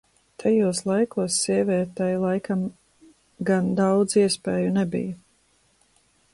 Tajos laikos sievietei laikam gan daudz iespēju nebija.